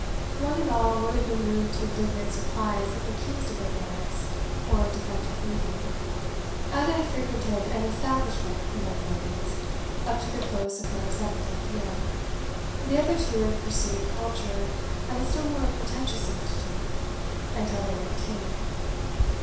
One and all would have been moved to indignant surprise if accused of ignorance or defective breeding. Ada had frequented an 'establishment for young ladies' up to the close of her seventeenth year; the other two had pursued culture at a still more pretentious institute until they were eighteen.